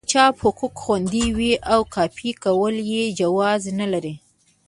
د چاپ حقوق خوندي دي او کاپي کول یې جواز نه لري.